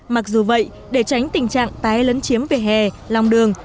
mặc dù vậy để tránh tình trạng tái lấn chiếm về hè lòng đường